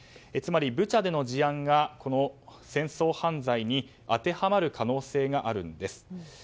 つまりブチャでの事案が戦争犯罪に当てはまる可能性があるんです。